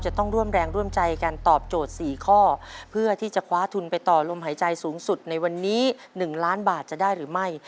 จะต้องร่วมแรงร่วมใจกันตอบโจทย์๔ข้อเพื่อที่จะคว้าทุนไปต่อลมหายใจสูงสุดในวันนี้๑ล้านบาทจะได้หรือไม่